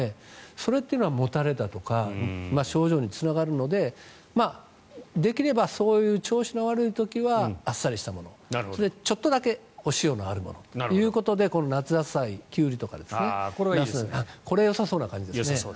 それというのは、もたれだとか症状につながるのでできればそういう調子の悪い時はあっさりしたものちょっとだけお塩のあるものということで夏野菜のキュウリとかナスこれ、よさそうな感じですね。